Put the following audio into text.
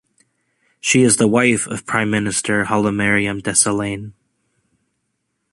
She is the wife of Prime Minister Hailemariam Desalegn.